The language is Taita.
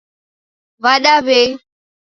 W'ada w'eii?